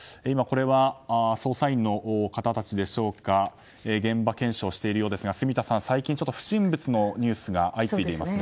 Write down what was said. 今、捜査員の方たちでしょうか現場検証しているようですが住田さん、最近不審物のニュースが相次いでいますね。